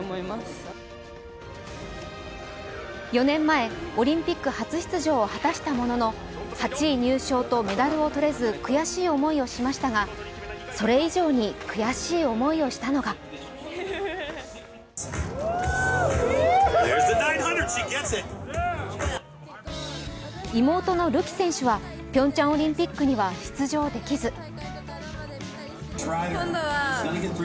４年前、オリンピック初出場を果たしたものの８位入賞とメダルを取れず悔しい思いをしましたがそれ以上に悔しい思いをしたのが妹のるき選手は、ピョンチャンオリンピックには出場できず。